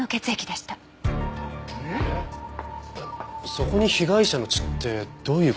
そこに被害者の血ってどういう事ですか？